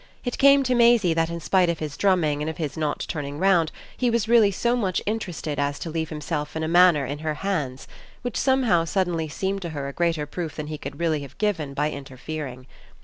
It came to Maisie that in spite of his drumming and of his not turning round he was really so much interested as to leave himself in a manner in her hands; which somehow suddenly seemed to her a greater proof than he could have given by interfering.